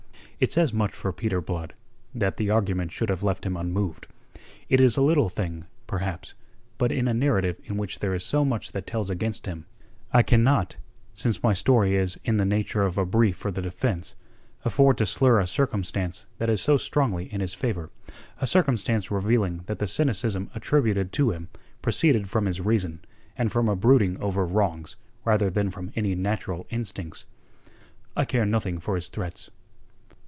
It says much for Peter Blood that the argument should have left him unmoved. It is a little thing, perhaps, but in a narrative in which there is so much that tells against him, I cannot since my story is in the nature of a brief for the defence afford to slur a circumstance that is so strongly in his favour, a circumstance revealing that the cynicism attributed to him proceeded from his reason and from a brooding over wrongs rather than from any natural instincts. "I care nothing for his threats."